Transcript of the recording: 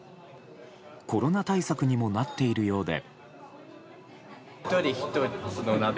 コロナ対策にもなっているようで。